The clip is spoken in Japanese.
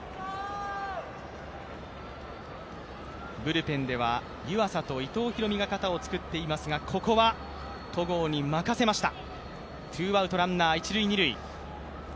ブルペンでは湯浅と伊藤大海が肩を作っていますが、ここは戸郷に任せました。